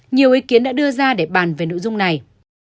nhiều ý kiến đã đưa ra để bàn về nội dung này